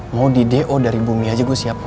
mau di do dari bumi aja gue siapa